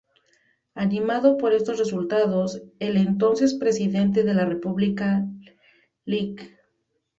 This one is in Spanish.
Animado por estos resultados, el entonces Presidente de la república, Lic.